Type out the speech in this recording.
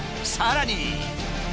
さらに。